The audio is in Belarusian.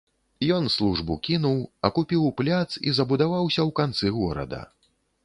Ён службу кінуў, а купіў пляц і забудаваўся ў канцы горада.